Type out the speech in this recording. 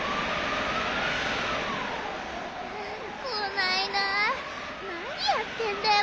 こないななにやってんだよ